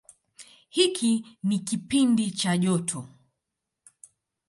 Hiki ni kipindi cha joto.